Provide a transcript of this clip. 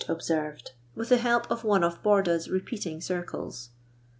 73 observed, with the help of one of Borda's repeating circles.